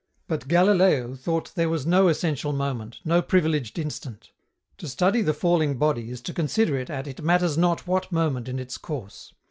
But Galileo thought there was no essential moment, no privileged instant. To study the falling body is to consider it at it matters not what moment in its course.